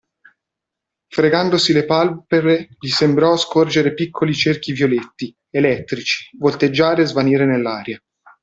Fregandosi le palpebre gli sembrò scorgere piccoli cerchi violetti, elettrici, volteggiare e svanire nell'aria.